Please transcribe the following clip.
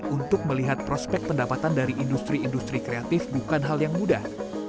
untuk melihat prospek pendapatan dari industri industri kreatif bukan hal yang mudah